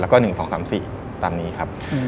แล้วก็๑๒๓๔ตามนี้ครับ